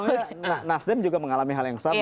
sebenarnya nasdem juga mengalami hal yang sama